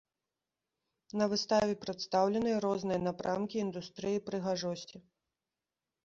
На выставе прадстаўленыя розныя напрамкі індустрыі прыгажосці.